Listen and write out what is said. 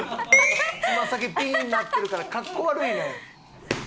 つま先ピーンなってるから格好悪いねん。